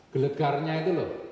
gelegarnya itu loh